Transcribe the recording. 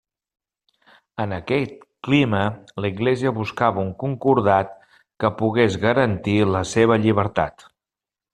En aquest clima, l'Església buscava un concordat que pogués garantir la seva llibertat.